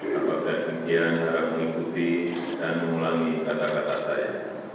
bapak dan bapak ibu harap mengikuti dan mengulangi kata kata saya